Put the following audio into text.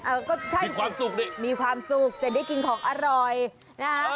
เออก็ท่านมีความสุขดิมีความสุขจะได้กินของอร่อยนะฮะ